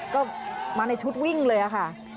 ก็มาในชุดวิ่งเลยค่ะ